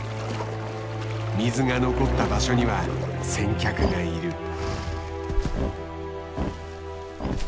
水が残った場所には先客がいる。